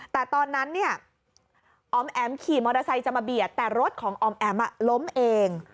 แต่ตอนนั้นเนี่ยอ๋อมแอ๋มขี่มอเตอร์ไซค์จะมาเบียดแต่รถของออมแอ๋มล้มเอง